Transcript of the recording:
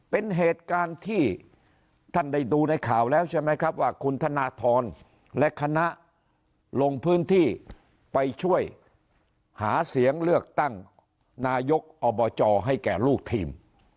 เป็นเหตุการณ์ที่ท่านได้ดูในข่าวแล้วใช่ไหมครับว่าคุณธนทรและคณะลงพื้นที่ไปช่วยหาเสียงเลือกตั้งนายกอบจให้แก่ลูกทีม